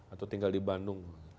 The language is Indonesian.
atau tinggal di bandung